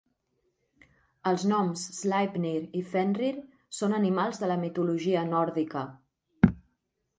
Els noms Sleipnir i Fenrir són animals de la mitologia nòrdica.